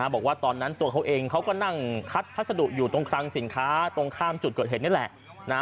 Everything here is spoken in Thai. บอกว่าตอนนั้นตัวเขาเองเขาก็นั่งคัดพัสดุอยู่ตรงคลังสินค้าตรงข้ามจุดเกิดเหตุนี่แหละ